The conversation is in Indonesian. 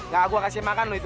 gak aku yang kasih makan lu itu